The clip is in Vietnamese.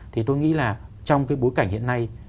thì tôi nghĩ là trong cái bối cảnh hiện nay